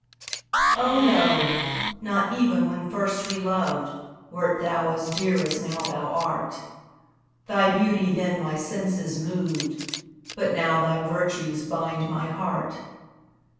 Oh, no not even when first we loved, Wert thou as dear as now thou art; Thy beauty then my senses moved, But now thy virtues bind my heart.